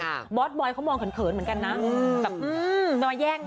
ค่ะบอสบอยฮ์เขามองเขาเขินเหมือนกันนะอืมแปบอืมหนอย่าง